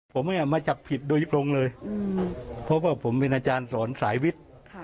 ผมมาจับผิดโดยตรงเลยเพราะว่าผมเป็นอาจารย์สอนสายวิทย์